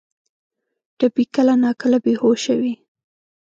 ټپي کله ناکله بې هوشه وي.